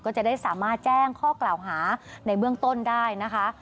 ก็จะได้สามารถแจ้งข้อกล่าวหาในเบื้องต้นได้นะคะ